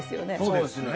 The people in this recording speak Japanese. そうですよね。